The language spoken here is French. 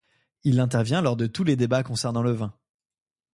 Il intervient lors de tous les débats concernant le vin.